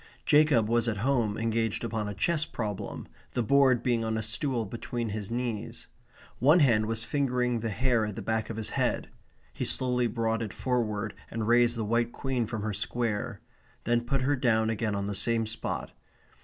Jacob was at home engaged upon a chess problem, the board being on a stool between his knees. One hand was fingering the hair at the back of his head. He slowly brought it forward and raised the white queen from her square; then put her down again on the same spot.